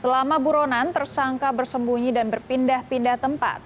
selama buronan tersangka bersembunyi dan berpindah pindah tempat